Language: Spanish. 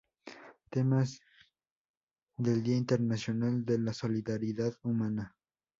Temas del Día Internacional de la Solidaridad Humana